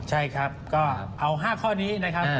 ใช่ครับก็เอา๕ข้อนี้นะครับ